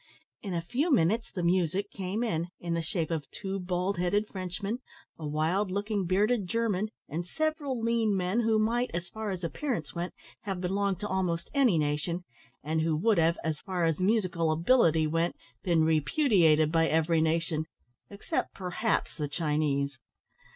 In a few minutes the "music" came in, in the shape of two bald headed Frenchmen, a wild looking bearded German, and several lean men, who might, as far as appearance went, have belonged to almost any nation; and who would have, as far as musical ability went, been repudiated by every nation, except, perhaps, the Chinese.